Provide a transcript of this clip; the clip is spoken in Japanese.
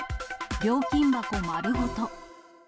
料金箱丸ごと。